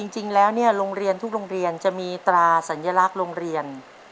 จริงแล้วโรงเรียนทุกโรงเรียนจะมีตราสัญลักษณ์โรงเรียน